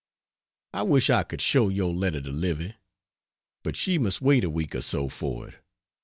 I wish I could show your letter to Livy but she must wait a week or so for it.